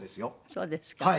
そうですか。